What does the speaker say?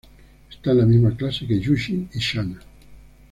Esta en la misma clase que Yuji y Shana.